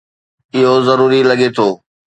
اهو ضروري لڳي ٿو